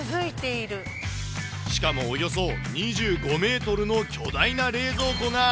しかも、およそ２５メートルの巨大な冷蔵庫が！